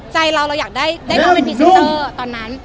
ใจเราเราอยากได้น้องเป็นพรีเซนเตอร์ตอนนั้น